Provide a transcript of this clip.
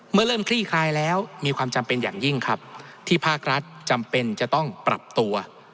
เมื่อเริ่มคลี่คลายแล้วมีความจำเป็นอย่างยิ่งครับที่ภาครัฐจำเป็นจะต้องปรับตัว